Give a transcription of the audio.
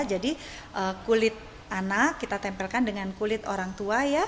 jadi kulit anak kita tempelkan dengan kulit orang tua ya